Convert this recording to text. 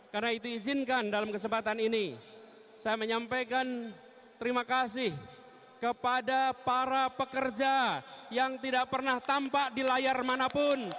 karena itu izinkan dalam kesempatan ini saya menyampaikan terima kasih kepada para pekerja yang tidak pernah tampak di layar manapun